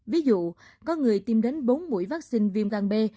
ví dụ có người tiêm đến bốn mũi vaccine viêm gan b